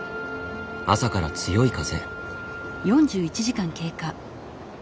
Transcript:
朝から強い風。